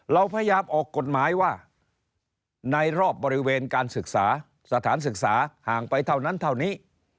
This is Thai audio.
เราพยายามออกกฎหมายว่าในรอบบริเวณการศึกษาสถานศึกษาห่างไปเท่านั้นเท่านี้